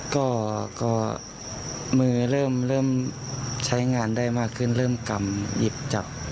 ก็มือเริ่มใช้งานได้มากขึ้นเริ่มกำหยิบจับ